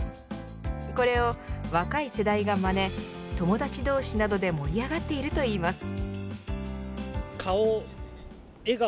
これを若い世代がまね友達同士などで盛り上がっているといいます。